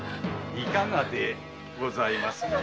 いかがでございますかな。